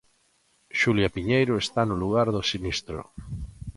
Xulia Piñeiro está no lugar do sinistro.